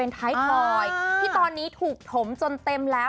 ที่ตอนนี้ถูกถมจนเต็มแล้ว